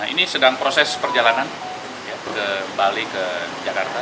ini sedang proses perjalanan balik ke jakarta